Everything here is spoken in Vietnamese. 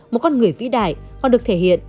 một con người vĩ đại còn được thể hiện